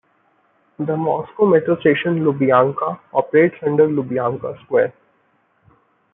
The Moscow Metro station Lubyanka operates under Lubyanka Square.